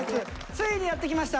ついにやってきました